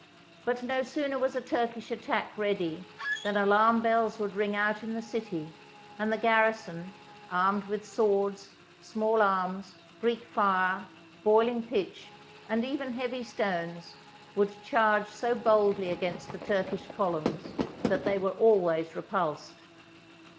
But no sooner was a Turkish attack ready than alarm bells would ring out in the city, and the garrison, armed with swords, small arms, Greek fire, boiling pitch, and even heavy stones, would charge so boldly against the Turkish columns that they were always re pulsed.